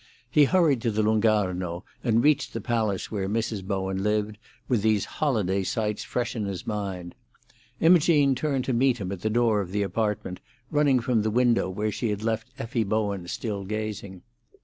He hurried to the Lung' Arno, and reached the palace where Mrs. Bowen lived, with these holiday sights fresh in his mind. Imogene turned to meet him at the door of the apartment, running from the window where she had left Effie Bowen still gazing.